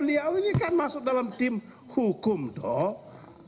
beliau ini kan masuk dalam tim hukum dok